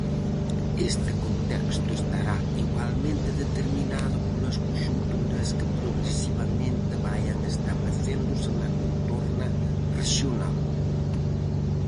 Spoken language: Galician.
Este contexto estará igualmente determinado polas conxunturas que progresivamente vaian establecéndose na contorna rexional.